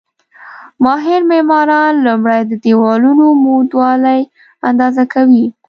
ماهر معماران لومړی د دېوالونو عمودوالی اندازه کوي.